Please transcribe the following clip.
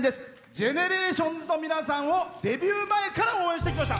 ＧＥＮＥＲＡＴＩＯＮＳの皆さんをデビュー前から応援してきました。